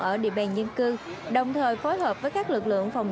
ở địa bàn dân cư đồng thời phối hợp với các lực lượng phòng